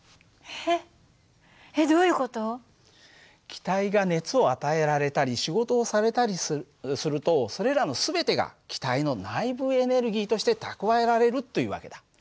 気体が熱を与えられたり仕事をされたりするとそれらの全てが気体の内部エネルギーとして蓄えられるという訳だ。